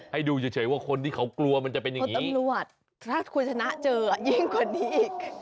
ให้ดูเฉยว่าคนที่เขากลัวมันจะเป็นอย่างนี้ตำรวจถ้าคุณชนะเจอยิ่งกว่านี้อีก